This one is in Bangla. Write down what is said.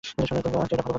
কহিল, আইডিয়াটা ভালো বটে।